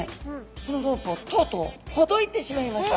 このロープをとうとうほどいてしまいました。